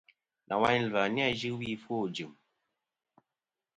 Nawayn ɨ̀lvɨ-a nɨn yɨ wi ɨfwo ɨjɨ̀m.